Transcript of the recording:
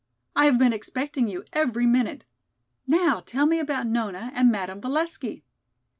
I have been expecting you every minute. Now tell me about Nona and Madame Valesky."